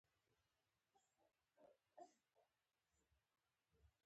دا ګټه کارګرانو په خپل زیار رامنځته کړې ده